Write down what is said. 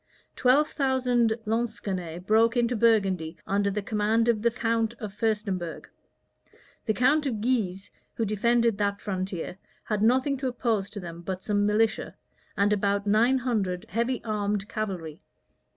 Twelve thousand Lansquenets broke into Burgundy under the command of the count of Furstenberg. The count of Guise, who defended that frontier, had nothing to oppose to them but some militia, and about nine hundred heavy armed cavalry.